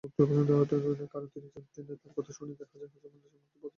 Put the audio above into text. কারণ তিনি জানতেন, তাঁর কথা শুনতে হাজির এমনকি পদার্থবিদ্যারও কোনো ছাত্র।